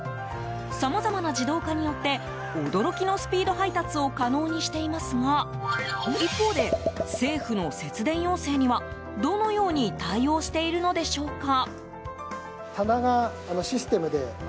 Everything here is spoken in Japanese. さまざまな自動化によって驚きのスピード配達を可能にしていますが一方で、政府の節電要請にはどのように対応しているのでしょうか。